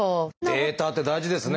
データって大事ですね。